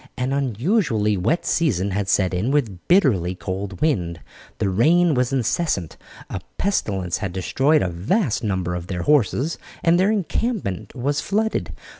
An unusually wet season had set in with bitterly cold wind. The rain was incessant, a pestilence had destroyed a vast number of their horses, and their encampment was flooded.